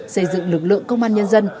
xây dựng lực lượng công an nhân dân